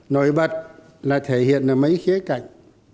nổi bật là thể hiện mấy khía cạnh